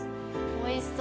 おいしそう。